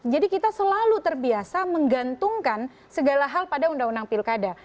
jadi kita selalu terbiasa menggantungkan segala hal pada undang undang pilkada